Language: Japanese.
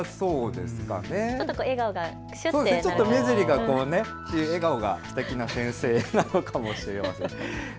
ちょっと笑顔がクシャッて、笑顔がすてきな先生なのかもしれませんね。